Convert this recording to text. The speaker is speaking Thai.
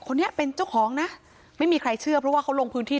คนนี้เป็นเจ้าของนะไม่มีใครเชื่อเพราะว่าเขาลงพื้นที่